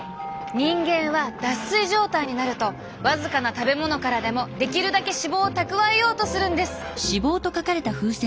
人間は脱水状態になると僅かな食べ物からでもできるだけ脂肪を蓄えようとするんです。